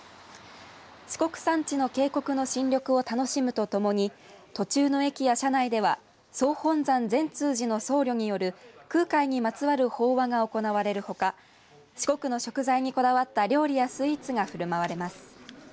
四国山地の渓谷の新緑を楽しむとともに途中の駅や車内では総本山善通寺の僧侶による空海にまつわる法話が行われるほか四国の食材にこだわった料理やスイーツが振る舞われます。